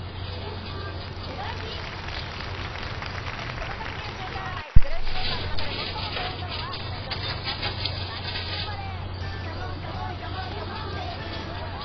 細かすぎる週間占い『ゼロイチ』メンバーの中で最も幸運なのは何年何月何日生まれ。